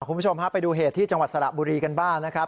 คุณผู้ชมฮะไปดูเหตุที่จังหวัดสระบุรีกันบ้างนะครับ